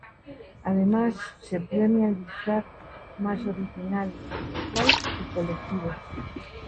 Además, se premia el disfraz más original individual y colectivo.